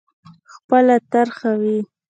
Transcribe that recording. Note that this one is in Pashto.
خپله طرح وي.